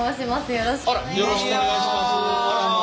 よろしくお願いします。